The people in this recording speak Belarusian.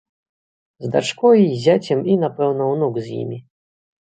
З дачкой, зяцем і, напэўна, унук з імі.